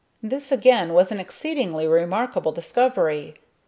This again was an exceedingly remarkable discovery.